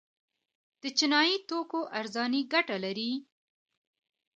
د چینایي توکو ارزاني ګټه لري؟